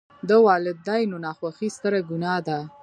د والداینو ناخوښي ستره ګناه ده.